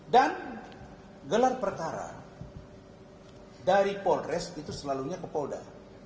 dan gelar pertaraan dari polres itu selalunya ke pouda